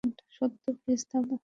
Satya, please থামো!